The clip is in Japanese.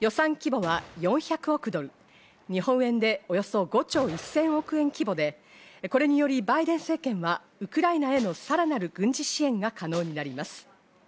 予算規模は４００億ドル、日本円でおよそ５兆１０００億円規模で、これによりバイデン政権はウクライナへのさらなる軍事支援が可能になります。